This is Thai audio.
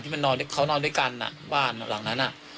ที่นั่งเค้าทำได้กันหลังนั้น